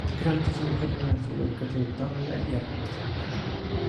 El cráter se encuentra al sur del cráter Townley, y al este de Condon.